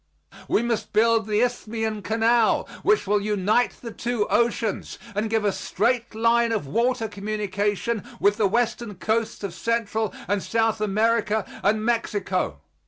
We must build the Isthmian canal, which will unite the two oceans and give a straight line of water communication with the western coasts of Central and South America and Mexico.